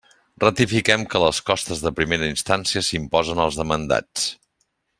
Ratifiquem que les costes de primera instància s'imposen als demandats.